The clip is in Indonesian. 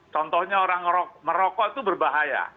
contohnya orang merokok itu berbahaya